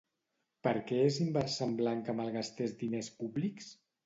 Per què és inversemblant que malgastés diners públics?